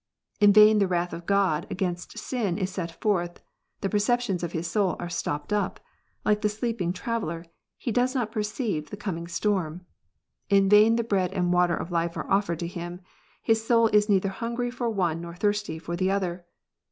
In vain the wrath of God against sin is set forth : the perceptions of his soul are stopped up ; like the sleeping traveller, he does not perceive the com ing storm. In vain the bread and water of life are offered to him : his soul is neither hungry for the one, nor thirsty for the other.